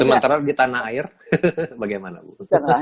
sementara di tanah air bagaimana bu